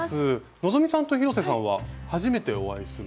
希さんと広瀬さんは初めてお会いする？